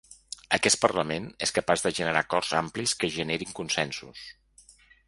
Aquest parlament és capaç de generar acords amplis que generin consensos.